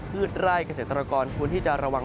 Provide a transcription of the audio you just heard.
ืดไร่เกษตรกรควรที่จะระวัง